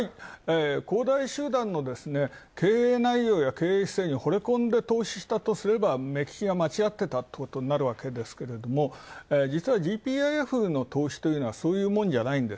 恒大集団の経営内容や経営姿勢にほれ込んで投資したとすれば目利きが間違ってたということになりますが、実はＧＰＩＦの投資というのはそういうものじゃない。